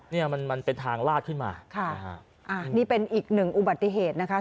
เนี่ยมันมันเป็นทางลาดขึ้นมาค่ะอ่านี่เป็นอีกหนึ่งอุบัติเหตุนะคะ